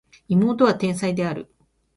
妹は天才である